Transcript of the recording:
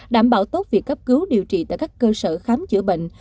đảm bảo tốt việc cấp cứu điều trị tại các cơ sở khám chữa bệnh